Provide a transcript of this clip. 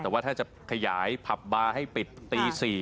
แต่ว่าถ้าจะขยายผับบาร์ให้ปิดตี๔